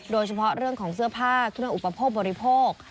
โดยเฉพาะเรื่องของเสื้อผ้าเครื่องอุปโภคบริโภค